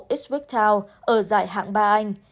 eastwick town ở giải hạng ba anh